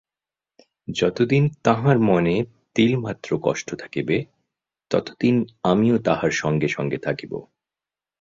যতদিন তাঁহার মনে তিলমাত্র কষ্ট থাকিবে, ততদিন আমিও তাঁহার সঙ্গে সঙ্গে থাকিব।